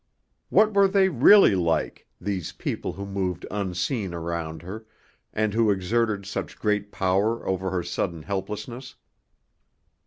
What were they really like, these people who moved unseen around her and who exerted such great power over her sudden helplessness?